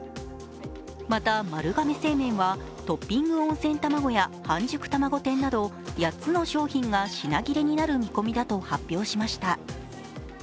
また、丸亀製麺はトッピング温泉玉子や半熟玉子天など８つの商品が品切れになる見込みだと発表しました。